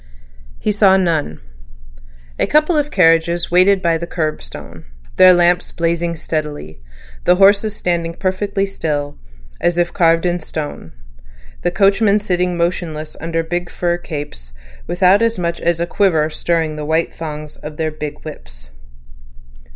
He saw none. A couple of carriages waited by the curbstone, their lamps blazing steadily, the horses standing perfectly still, as if carved in stone, the coachmen sitting motionless under the big fur capes, without as much as a quiver stirring the white thongs of their big whips.